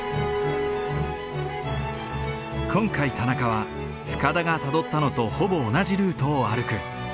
今回田中は深田がたどったのとほぼ同じルートを歩く。